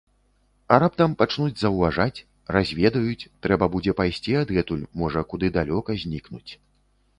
А раптам пачнуць заўважаць, разведаюць, трэба будзе пайсці адгэтуль, можа, куды далёка знікнуць.